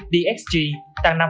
dxg tăng năm tám mươi ba